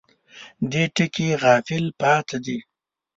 دې ټکي غافل پاتې دي.